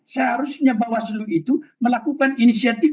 seharusnya bawah slu itu melakukan inisiatif